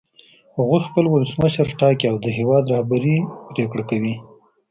هغوی خپل ولسمشر ټاکي او د هېواد رهبري پرېکړه کوي.